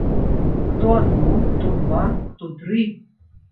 Хто адно, хто два, хто тры.